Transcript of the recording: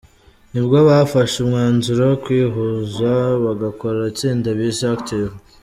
Nibwo bafashe umwanzuro wo kwihuza bagakora itsinda bise Active.